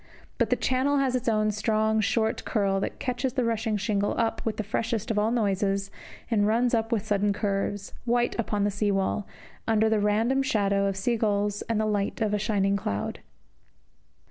But the Channel has its own strong, short curl that catches the rushing shingle up with the freshest of all noises and runs up with sudden curves, white upon the white sea wall, under the random shadow of sea gulls and the light of a shining cloud.